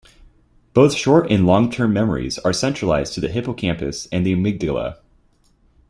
Both short and long term memories are centralized to the hippocampus and the amygdala.